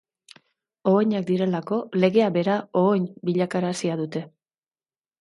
Ohoinak direlako, legea bera ohoin bilakarazia dute.